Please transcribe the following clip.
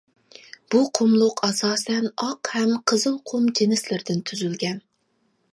بۇ قۇملۇق ئاساسەن ئاق ھەم قىزىل قۇم جىنسلىرىدىن تۈزۈلگەن.